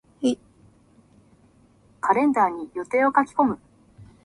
カレンダーに予定を書き込む。